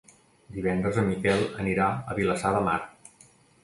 Divendres en Miquel anirà a Vilassar de Mar.